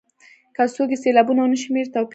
که څوک یې سېلابونه ونه شمېري توپیر نه ویني.